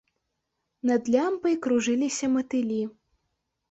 Над лямпай кружыліся матылі.